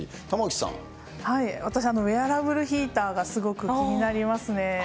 私、ウェアラブルヒーターが気になりますね。